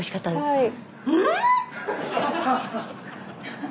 はい。